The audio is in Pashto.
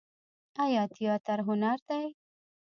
آیا تیاتر هنر دی؟